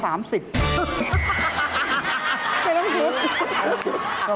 ไม่ต้องคิด